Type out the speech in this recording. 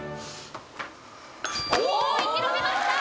おおー生き延びました！